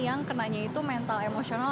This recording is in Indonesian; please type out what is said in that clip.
yang kenanya itu mental emosional